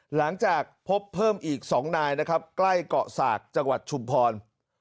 หลังจากพบเพิ่มอีก๒นายใกล้เกาะศาตราจังหวัดชุมพร